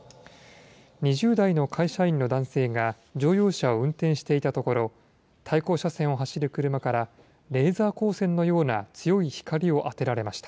２０代の会社員の男性が乗用車を運転していたところ、対向車線を走る車から、レーザー光線のような強い光を当てられました。